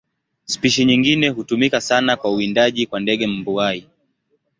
Spishi nyingine hutumika sana kwa uwindaji kwa ndege mbuai.